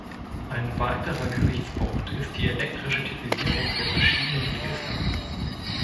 Ein weiterer Gesichtspunkt ist die elektrische Typisierung der verschiedenen Register.